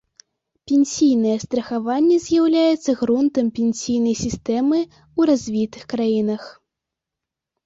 Пенсійнае страхаванне з'яўляецца грунтам пенсійнай сістэмы ў развітых краінах.